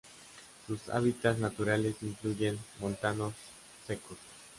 Sus hábitats naturales incluyen montanos secos.